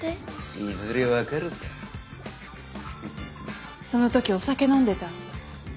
いずれ分かるさその時お酒飲んでた？